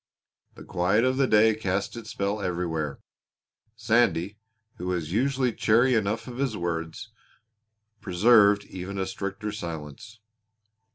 The quiet of the day cast its spell everywhere. Sandy, who was usually chary enough of his words, preserved even a stricter silence.